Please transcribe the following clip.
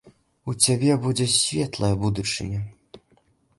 У цябе будзе светлая будучыня.